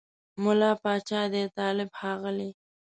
مُلا پاچا دی طالب ښاغلی